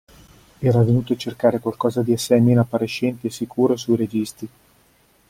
Era venuto a cercare qualcosa di assai meno appariscente e sicuro sui registri.